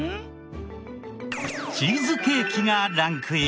チーズケーキがランクイン。